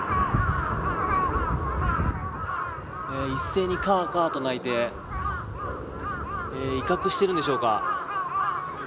一斉にカーカーと鳴いて威嚇しているんでしょうか。